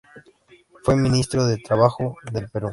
Fue Ministro de Trabajo del Perú.